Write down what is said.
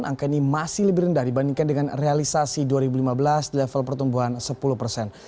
angka ini masih lebih rendah dibandingkan dengan realisasi dua ribu lima belas di level pertumbuhan sepuluh persen